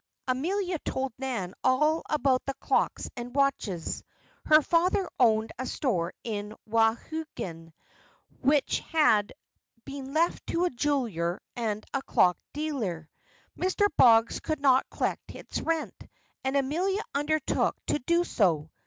Amelia told Nan all about the clocks and watches. Her father owned a store in Wauhegan, which had been let to a jeweler and clock dealer. Mr. Boggs could not collect his rent, and Amelia undertook to do so.